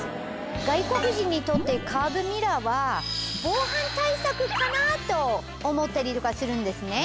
外国人にとってカーブミラーは防犯対策かな？と思ったりとかするんですね。